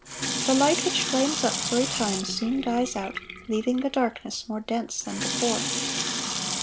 The light which flames up for a time soon dies out, leaving the darkness more dense than before.